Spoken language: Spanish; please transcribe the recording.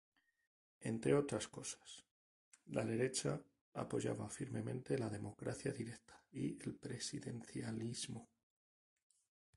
Entre otras cosas, La Derecha apoyaba firmemente la democracia directa y el presidencialismo.